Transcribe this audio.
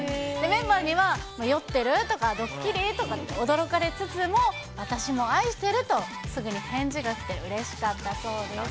メンバーには、酔ってる？とか、どっきり？とか驚かれつつも、私も愛してると、すぐに返事が来てうれしかったそうです。